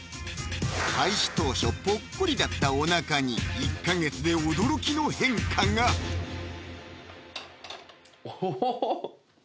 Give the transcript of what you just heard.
開始当初ぽっこりだったお腹に１か月で驚きの変化が！オホホホ！